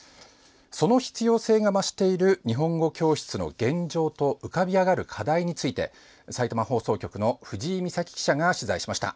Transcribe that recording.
その必要性が増している日本語教室の現状と浮かび上がる課題についてさいたま放送局のふじいみさき記者が取材しました。